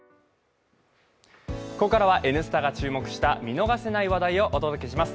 ここからは「Ｎスタ」が注目した見逃せない話題をお届けします。